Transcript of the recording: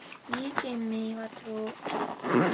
三重県明和町